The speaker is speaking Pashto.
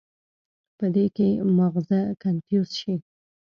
پۀ دې کښې مازغه کنفيوز شي